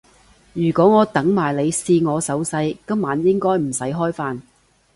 如果我等埋你試我手勢，今晚應該唔使開飯